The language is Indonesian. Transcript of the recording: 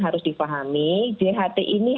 harus dipahami jht ini